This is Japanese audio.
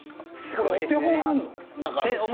お手本があるの？